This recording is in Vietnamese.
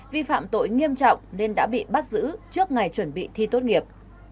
vi phạm tội nghiêm trọng nên đã bị bắt giữ trước ngày chuẩn bị thi tốt nghiệp